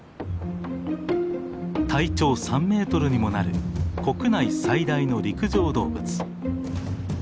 体長３ｍにもなる国内最大の陸上動物。